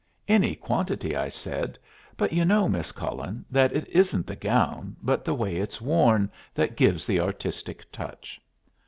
"Any quantity," I said, "but you know, Miss Cullen, that it isn't the gown, but the way it's worn, that gives the artistic touch."